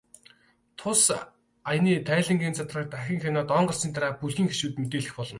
Тус аяны тайлангийн задаргааг дахин хянаад, он гарсны дараа бүлгийн гишүүддээ мэдээлэх болно.